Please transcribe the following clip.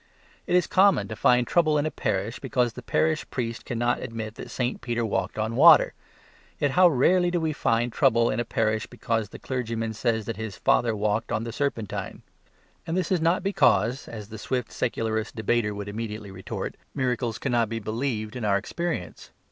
It is common to find trouble in a parish because the parish priest cannot admit that St. Peter walked on water; yet how rarely do we find trouble in a parish because the clergyman says that his father walked on the Serpentine? And this is not because (as the swift secularist debater would immediately retort) miracles cannot be believed in our experience.